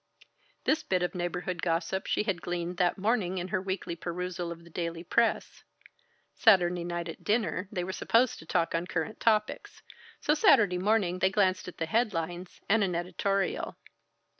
This bit of neighborhood gossip she had gleaned that morning in her weekly perusal of the daily press Saturday night at dinner they were supposed to talk on current topics, so Saturday morning they glanced at the headlines and an editorial.